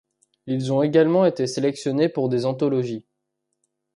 Ils ont également été sélectionnés pour des anthologies.